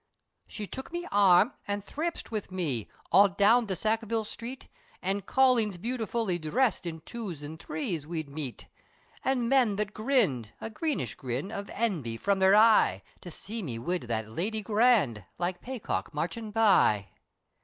She took me arm, an' thrapsed wid me, All down be Sackville Sthreet, An' colleens beautifully dhressed, In two's and three's, we meet, An' men that grinned, a greenish grin, Of envy from their eye, To see me wid that lady grand, Like paycock marchin' by.